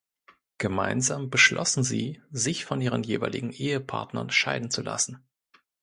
Gemeinsam beschlossen sie, sich von ihren jeweiligen Ehepartnern scheiden zu lassen.